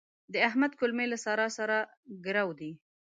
د احمد کولمې له سارا سره ګرو دي.